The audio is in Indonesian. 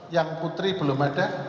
yang putri belum ada